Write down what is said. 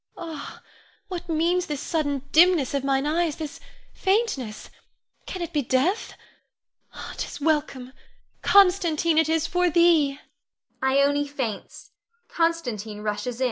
Ah, what means this sudden dimness of mine eyes, this faintness can it be death? 'T is welcome, Constantine, it is for thee! [Ione faints; Constantine _rushes in.